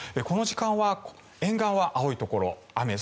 この時間は沿岸は青いところ雨。